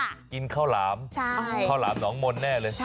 กินข้าวหลามข้าวหลามหนองมนต์แน่เลย